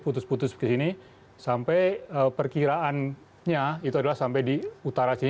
putus putus ke sini sampai perkiraannya itu adalah sampai di utara sini